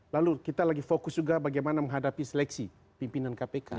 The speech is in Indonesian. lalu kita lagi fokus juga bagaimana menghadapi seleksi pimpinan kpk